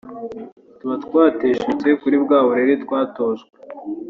tuba twateshutse kuri bwa burere twatojwe